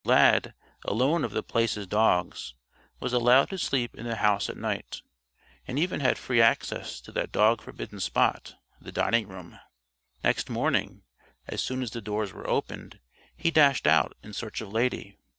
Lad, alone of The Place's dogs, was allowed to sleep in the house at night, and even had free access to that dog forbidden spot, the dining room. Next morning, as soon as the doors were opened, he dashed out in search of Lady.